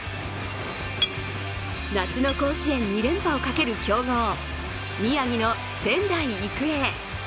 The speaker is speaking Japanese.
夏の甲子園２連覇をかける強豪、宮城の仙台育英。